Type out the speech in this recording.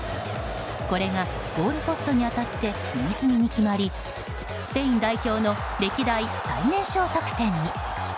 これがゴールポストに当たって右隅に決まりスペイン代表の歴代最年少得点に。